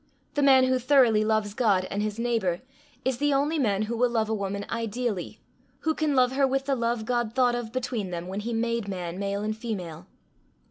The man who throughly loves God and his neighbour is the only man who will love a woman ideally who can love her with the love God thought of between them when he made man male and female.